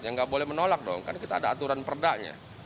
ya nggak boleh menolak dong kan kita ada aturan perdanya